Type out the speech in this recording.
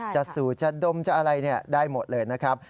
สูดจะดมจะอะไรได้หมดเลยนะครับ